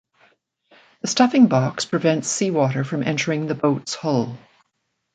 The stuffing box prevents sea water from entering the boat's hull.